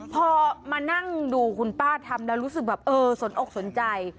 พอมานั่งดูคุณป้าทำแล้วรู้สึกแบบเออสนอกสนใจ